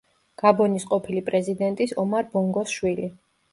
გაბონის ყოფილი პრეზიდენტის ომარ ბონგოს შვილი.